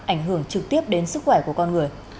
ảnh hưởng trực tiếp đến sức khỏe của con người